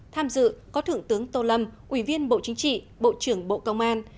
tham dự có thượng tướng tô lâm ủy viên bộ chính trị bộ trưởng bộ công an